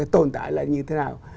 tồn tại là như thế nào